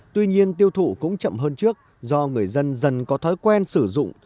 tuy nhiên tiêu thụ cũng chậm hơn trước do người dân dần có thói quen sử dụng